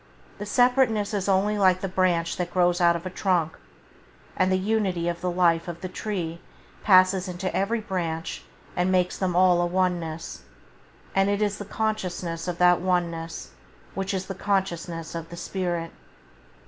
The separateness is only like the branch that grows out of a trunk, and the unity of the life of the tree passes into every branch and makes them all a one ness; and it is the consciousness of that one ness which is the consciousness of the spirit.